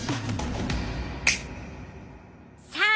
さあ